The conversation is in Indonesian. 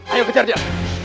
ayo kejar dia